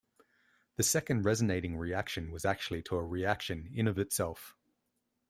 The second resonating reaction was actually to a reaction in of itself.